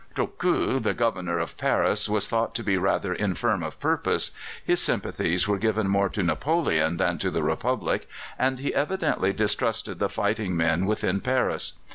Trochu, the Governor of Paris, was thought to be rather infirm of purpose; his sympathies were given more to Napoleon than to the Republic, and he evidently distrusted the fighting men within Paris.